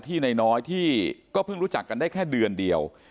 นายน้อยที่ก็เพิ่งรู้จักกันได้แค่เดือนเดียว